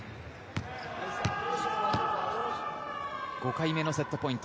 ５回目のセットポイント。